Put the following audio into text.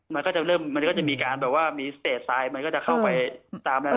มันก็จะเริ่มมันก็จะมีการแบบว่ามีสเตททรายมันก็จะเข้าไปตามนั้น